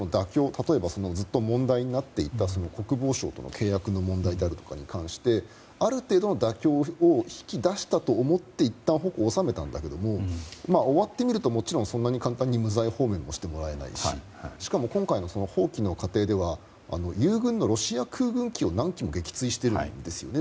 例えばずっと問題になっていた国防省との契約の問題などに関してある程度の妥協を引き出したと思っていて矛を収めたんだけども終わってみるとそんなに簡単に無罪放免もしてもらえないししかも、今回の蜂起の過程では遊軍のロシア空軍機を何機も撃墜しているんですよね